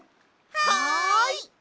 はい！